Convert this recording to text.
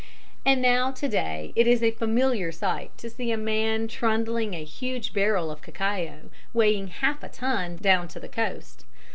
And now to day it is a familiar sight to see a man trundling a huge barrel of cacao, weighing half a ton, down to the coast.